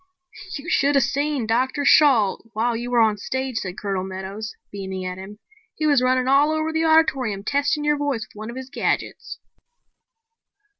"You should have seen Dr. Shalt while you were on stage," said Colonel Meadows, beaming at him. "He was running all over the auditorium testing your voice with one of his gadgets."